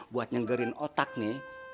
buat nyengerin otak nih